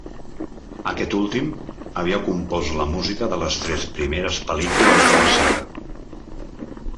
Aquest últim havia compost la música de les tres primeres pel·lícules de la saga.